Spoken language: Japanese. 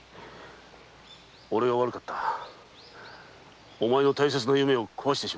俺が悪かったお前の大切な夢を壊してしまった。